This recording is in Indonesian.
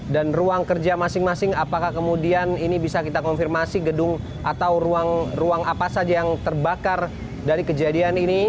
dan ruang kerja masing masing apakah kemudian ini bisa kita konfirmasi gedung atau ruang apa saja yang terbakar dari kejadian ini